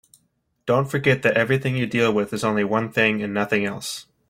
Don't forget that everything you deal with is only one thing and nothing else.